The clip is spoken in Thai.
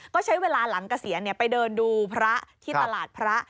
ก็ใช้เวลาหลังเกษียณไปเดินดูพระที่ตลาดพระ